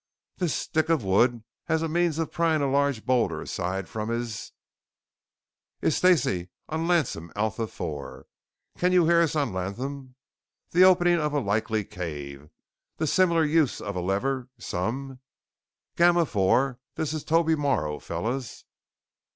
_ This stick of wood as a means of prying a large boulder aside from is Stacey on Latham Alpha IV, can you hear us on Latham the opening of a likely cave, the similar use of a lever some Gamma VI?" "_This is Toby Morrow, fellers.